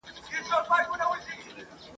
شګوفې مو لکه اوښکي د خوښیو ..